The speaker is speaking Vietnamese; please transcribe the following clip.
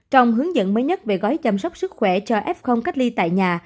trong hướng dẫn mới nhất về gói chăm sóc sức khỏe cho f cách ly tại nhà